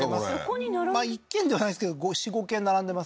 これまあ一軒ではないですけど４５軒並んでますね